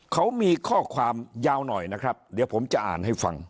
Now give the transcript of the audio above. เขามีข้อความยาวหน่อยนะครับเดี๋ยวผมจะอ่านให้ฟัง